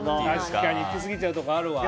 確かに行きすぎちゃうところあるわ。